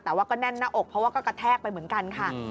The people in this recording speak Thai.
แต่ว่าก็แน่นหน้าอกเพราะว่าก็กระแทกไปเหมือนกันค่ะ